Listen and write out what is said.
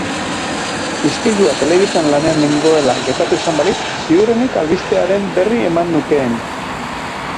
Istilua telebistan lanean nengoela gertatu izan balitz, ziurrenik albistearen berri eman nukeen.